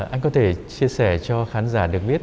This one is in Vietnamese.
anh có thể chia sẻ cho khán giả được biết